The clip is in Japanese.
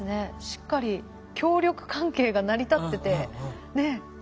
しっかり協力関係が成り立っててねえ。